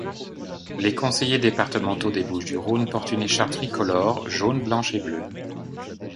Les conseillers départementaux des Bouches-du-Rhône portent une écharpe tricolore, jaune, blanche et bleue.